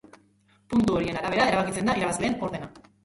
Puntu horien arabera erabakitzen da irabazleen ordena.